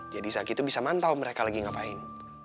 jadi zaky tuh bisa mantau mereka lagi ngapain